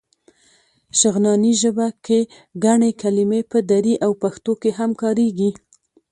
شغناني ژبه کې ګڼې کلمې په دري او پښتو کې هم کارېږي.